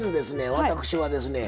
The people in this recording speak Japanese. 私はですね